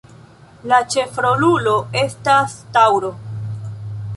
La ĉefrolulo estas taŭro.